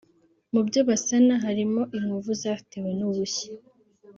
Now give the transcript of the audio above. Mubyo basana harimo inkovu zatewe n’ubushye